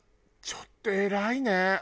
ちょっと偉いね。